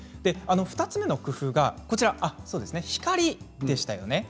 ２つ目の工夫、光でしたよね。